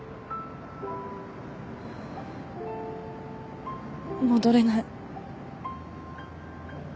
戻れない。